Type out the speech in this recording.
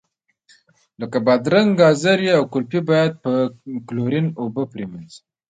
لکه بادرنګ، ګازرې او ګلپي باید په کلورین اوبو پرېمنځئ.